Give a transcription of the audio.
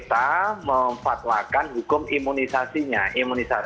nah sekarang masuk ke badan